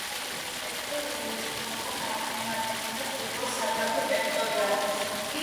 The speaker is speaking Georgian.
მეორე საგრაფოს ტერიტორია მნიშვნელოვნად აღემატებოდა პირველი საგრაფოს ტერიტორიას.